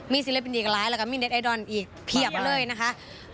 ศิลปินอีกหลายแล้วก็มีเน็ตไอดอนอีกเพียบเลยนะคะ